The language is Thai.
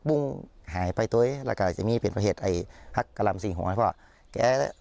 อืมอืมค่ะโอ้